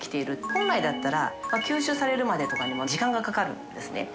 本来だったら吸収されるまでとかにも⑷屬かかるんですね。